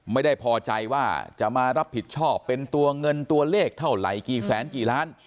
ไม่พอใจว่าจะมารับผิดชอบเป็นตัวเงินตัวเลขเท่าไหร่กี่แสนกี่ล้าน